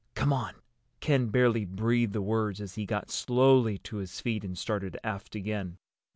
"Come on." Ken barely breathed the words as he got slowly to his feet and started aft again.